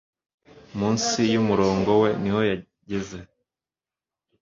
munsi yumurongo we niho yageze